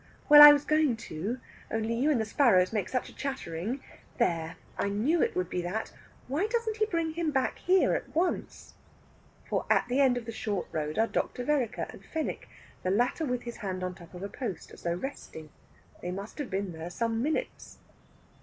"Well, I was going to; only you and the sparrows make such a chattering.... There, I knew it would be that! Why doesn't he bring him back here, at once?" For at the end of the short road are Dr. Vereker and Fenwick, the latter with his hand on the top of a post, as though resting. They must have been there some minutes.